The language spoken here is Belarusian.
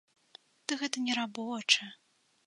Ды гэта не рабочы.